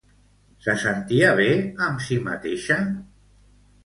Se sentia bé amb si mateixa?